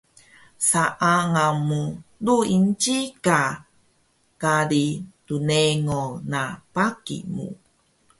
Saangal mu Ruingci ka kari rnengo na baki mu